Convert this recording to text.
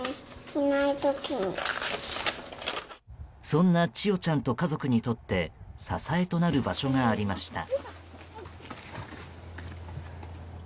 そんな千与ちゃんと家族にとって支えとなる場所がありました。